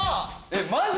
マジ？